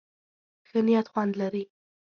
ښه نيت خوند لري.